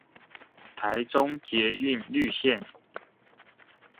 台中捷運綠綫